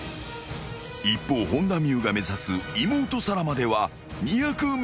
［一方本田望結が目指す妹紗来までは２００ｍ］